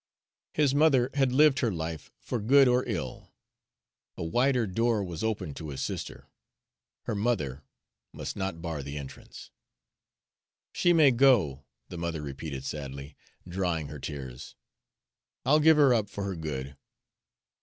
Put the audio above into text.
His mother had lived her life, for good or ill. A wider door was open to his sister her mother must not bar the entrance. "She may go," the mother repeated sadly, drying her tears. "I'll give her up for her good."